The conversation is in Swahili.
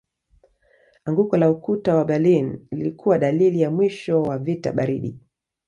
Anguko la ukuta wa Berlin lilikuwa dalili ya mwisho wa vita baridi